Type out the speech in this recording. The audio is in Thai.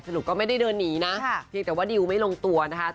รุปก็ไม่ได้เดินหนีนะเพียงแต่ว่าดิวไม่ลงตัวนะคะ